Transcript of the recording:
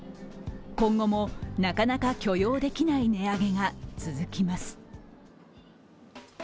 今後もなかなか許容できない値上げが続きます。